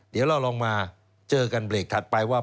เดี๋ยวเราลองมาเจอกันเบรกถัดไปว่า